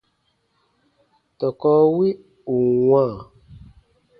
Tɔkɔ wi ù n wãa,